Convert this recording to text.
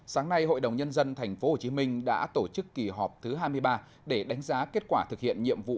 sáng nay hội đồng nhân dân tp hcm đã tổ chức kỳ họp thứ hai mươi ba để đánh giá kết quả thực hiện nhiệm vụ